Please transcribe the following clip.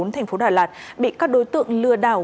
thành phố đà lạt bị các đối tượng lừa đảo